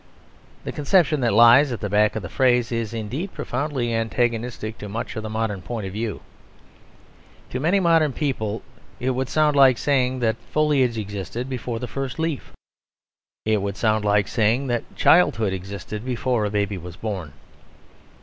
The conception that lies at the back of the phrase is indeed profoundly antagonistic to much of the modern point of view. To many modern people it would sound like saying that foliage existed before the first leaf; it would sound like saying that childhood existed before a baby was born.